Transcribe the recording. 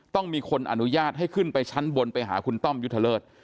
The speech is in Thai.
ต้องมีคนอนุญาตให้ขึ้นไปชั้นบนไปหาคุณต้อมยุทธเลิศ